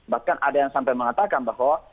bahkan ada yang sampai mengatakan bahwa